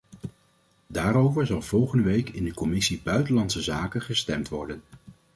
Daarover zal volgende week in de commissie buitenlandse zaken gestemd worden.